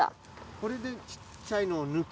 これでちっちゃいのを抜く。